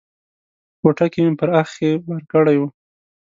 په کوټه کې مې پر اخښي بار کړی و.